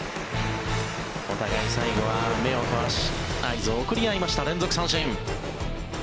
お互い、最後は目を合わし合図を送り合いました連続三振。